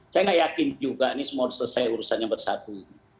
saya gak yakin juga ini semua selesai urusannya bersatu